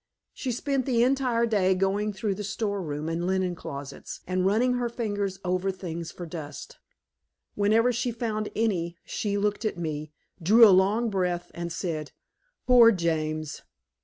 She spent the entire day going through the storeroom and linen closets, and running her fingers over things for dust. Whenever she found any she looked at me, drew a long breath, and said, "Poor James!"